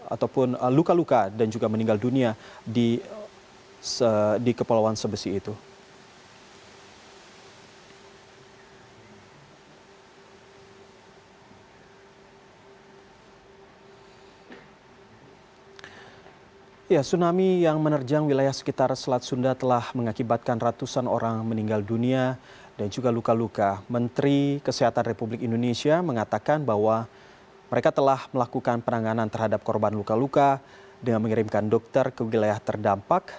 ataupun luka luka dan juga meninggal dunia di kepulauan sebesi itu